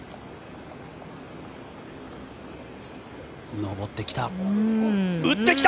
上ってきた。